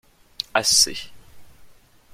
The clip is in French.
Assez.